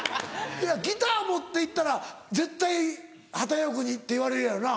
いやギター持って行ったら絶対「波田陽区に」って言われるやろな。